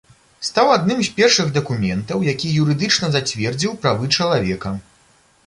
Стаў адным з першых дакументаў, які юрыдычна зацвердзіў правы чалавека.